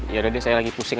yaudah deh saya lagi pusing